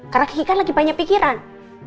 karena kiki kan lagi banyak pikiran